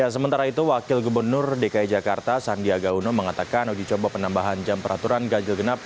sementara itu wakil gubernur dki jakarta sandiaga uno mengatakan uji coba penambahan jam peraturan ganjil genap